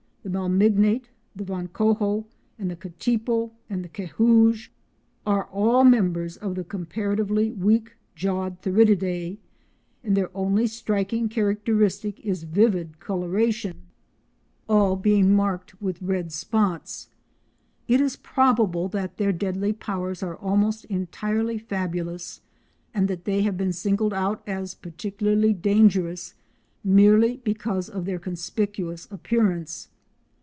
The "Malmignate," the "Vancoho," the "Katipo," and the "Queue rouge" are all members of the comparatively weak jawed Theridiidae, and their only striking characteristic is vivid coloration, all being marked with red spots. It is probable that their deadly powers are almost entirely fabulous; and that they have been singled out as particularly dangerous merely because of their conspicuous appearance.